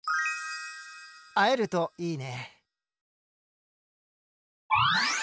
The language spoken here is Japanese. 会えるといいね。